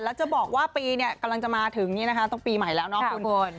แล้วจะบอกว่าปีกำลังจะมาถึงต้องปีใหม่แล้วนะคุณ